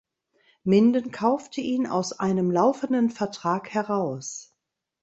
Minden kaufte ihn aus einem laufenden Vertrag heraus.